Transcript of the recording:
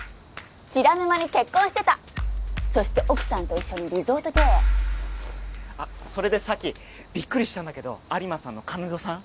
知らぬ間に結婚してたそして奥さんと一緒にリゾート経営それで早希びっくりしたんだけど有馬さんの彼女さん